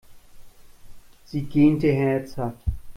Sie gähnte herzhaft.